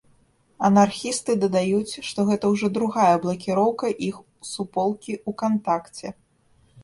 Анархісты дадаюць, што гэта ўжо другая блакіроўка іх суполкі ўкантакце.